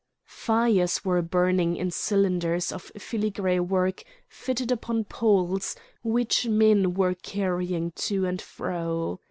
Fires were burning in cylinders of filigree work fitted upon poles, which men were carrying to and fro.